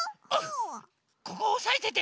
ここをおさえてて。